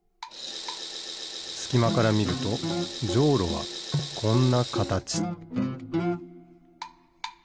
すきまからみるとじょうろはこんなかたち